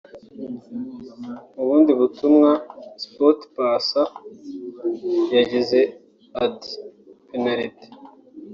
Mu bundi butumwa Sportpesa yagize ati “Penaliti